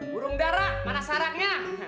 burung darah mana sarangnya